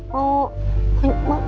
mau mau nyelamatkan